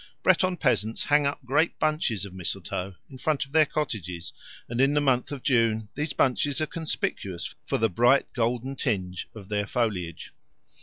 Breton peasants hang up great bunches of mistletoe in front of their cottages, and in the month of June these bunches are conspicuous for the bright golden tinge of their foliage.